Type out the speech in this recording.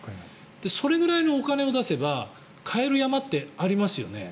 それぐらいのお金を出せば買える山ってありますよね。